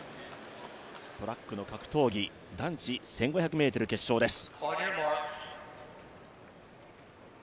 トラックの格闘技男子１５００ｍ決勝です。